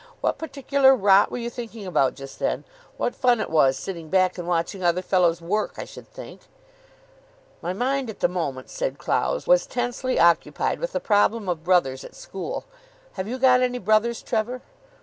"What particular rot were you thinking about just then? What fun it was sitting back and watching other fellows work, I should think." "My mind at the moment," said Clowes, "was tensely occupied with the problem of brothers at school. Have you got any brothers, Trevor?"